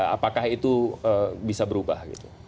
apakah itu bisa berubah